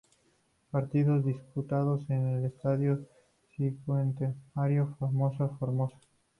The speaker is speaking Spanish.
Partidos disputados en el Estadio Cincuentenario, Formosa, Formosa.